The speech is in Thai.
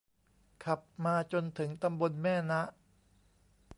ขับมาจนถึงตำบลแม่นะ